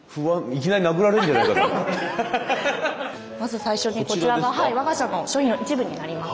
まず最初にこちらがわが社の商品の一部になります。